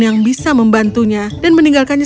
yang bisa membantunya dan meninggalkannya